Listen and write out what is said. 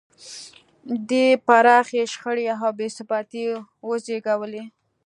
دې پراخې شخړې او بې ثباتۍ وزېږولې.